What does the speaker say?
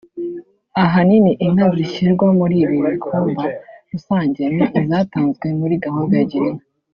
Ahanini inka zishyirwa muri ibi bikumba rusange ni izatanzwe muri gahunda ya girinka